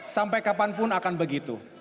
sampai kapanpun akan begitu